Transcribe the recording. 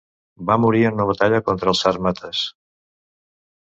Va morir en una batalla contra els Sàrmates.